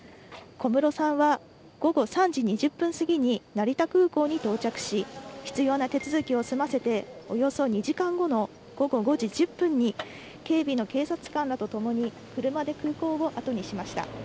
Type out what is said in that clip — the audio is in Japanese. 小室さんは、午後３時２０分過ぎに成田空港に到着し、必要な手続きを済ませて、およそ２時間後の午後５時１０分に、警備の警察官らと共に、車で空港を後にしました。